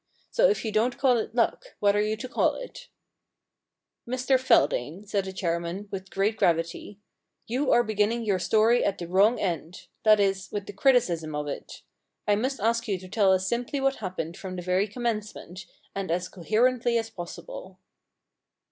So if you don't call it luck, what are you to call it ?Mr Feldane,' said the chairman, with great gravity, * you are beginning your story at the wrong end — that is, with the criticism of it. I must ask you to tell us simply what happened from the very commencement, and as coherently as possible.'